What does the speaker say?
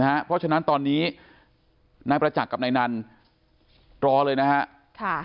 เพราะฉะนั้นตอนนี้นายประจักษ์กับนายนันรอเลยนะฮะ